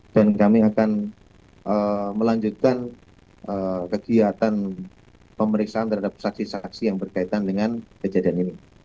dan kami akan melanjutkan kegiatan pemeriksaan terhadap saksi saksi yang berkaitan dengan kejadian ini